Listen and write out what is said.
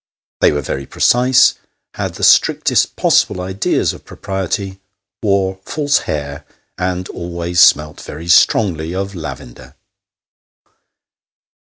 They were very precise, had the strictest possible ideas of propriety, wore false hair, and always smelt very strongly of lavender.